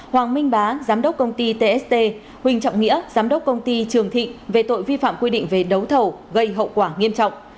hoàng minh bá giám đốc công ty tst huỳnh trọng nghĩa giám đốc công ty trường thịnh về tội vi phạm quy định về đấu thầu gây hậu quả nghiêm trọng